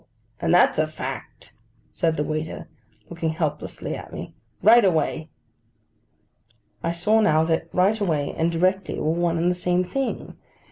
and that's a fact!' said the waiter, looking helplessly at me: 'Right away.' I saw now that 'Right away' and 'Directly' were one and the same thing.